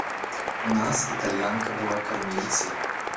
У нас Итальянка была кормилицей.